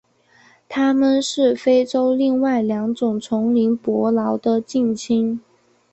它们是非洲另外两种丛林伯劳的近亲。